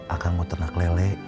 akang mau ternak lele